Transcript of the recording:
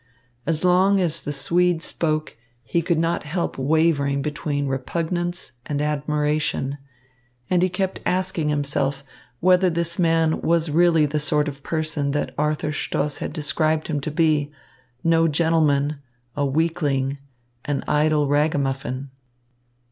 As long as the Swede spoke, he could not help wavering between repugnance and admiration, and he kept asking himself whether this man was really the sort of person that Arthur Stoss had described him to be, no gentleman, a weakling, an idle ragamuffin.